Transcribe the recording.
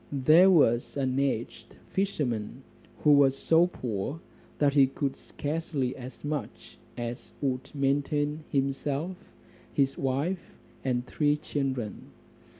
There was an aged fisherman, who was so poor, that he could scarcely as much as would maintain himself, his wife, and three children.